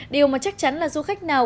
điều mà chắc chắn là du khách nào